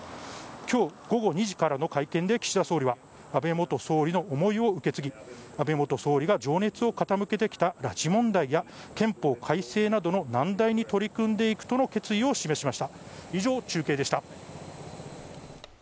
今日、午後２時からの会見で岸田総理は、安倍元総理の思いを受け継ぎ安倍元総理が情熱を傾けてきた拉致問題や憲法改正などの難題に取り組んでいくとの決意を示しました。